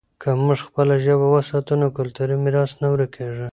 که موږ خپله ژبه وساتو، نو کلتوري میراث نه ورکېږي.